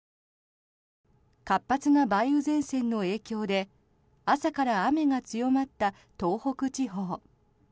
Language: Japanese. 活発な梅雨前線の影響で朝から雨が強まった東北地方。